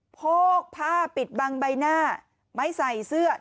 โพกผ้าปิดบังใบหน้าไม่ใส่เสื้อ